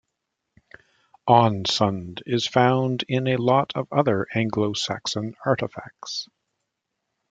"Onsund" is found in a lot of other Anglo-Saxon artifacts.